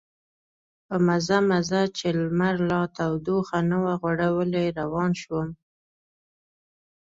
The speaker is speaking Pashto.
په مزه مزه چې لمر لا تودوخه نه وه غوړولې روان شوم.